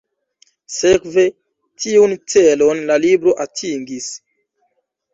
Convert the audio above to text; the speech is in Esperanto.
Sekve, tiun celon la libro atingis.